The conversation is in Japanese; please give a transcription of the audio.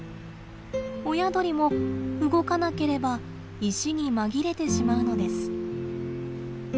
親鳥も動かなければ石に紛れてしまうのです。